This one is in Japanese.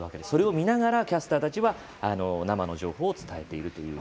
それを見ながらキャスターたち生の情報を伝えていると。